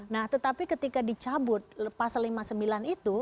nah tetapi ketika dicabut pasal lima puluh sembilan itu